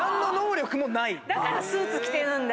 だからスーツ着てるんだ！